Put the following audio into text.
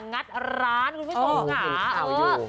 งัดร้านคุณผู้ชมค่ะ